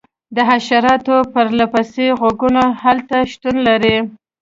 د حشراتو پرله پسې غږونه هلته شتون لري